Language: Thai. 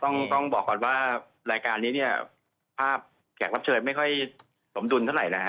ต้องบอกก่อนว่ารายการนี้เนี่ยภาพแขกรับเชิญไม่ค่อยสมดุลเท่าไหร่นะฮะ